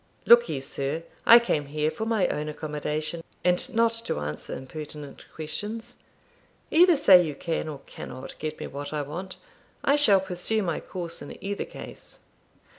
'Look ye, sir; I came here for my own accommodation, and not to answer impertinent questions. Either say you can, or cannot, get me what I want; I shall pursue my course in either case.' Mr.